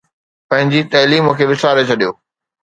پنهنجي تعليم کي وساري ڇڏيو